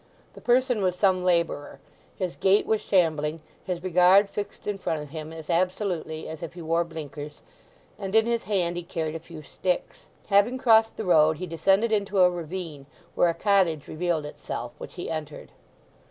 The person was some labourer; his gait was shambling, his regard fixed in front of him as absolutely as if he wore blinkers; and in his hand he carried a few sticks. Having crossed the road he descended into a ravine, where a cottage revealed itself, which he entered.